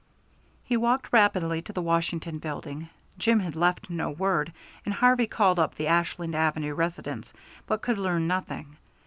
He walked rapidly to the Washington Building. Jim had left no word, and Harvey called up the Ashland Avenue residence, but could learn nothing.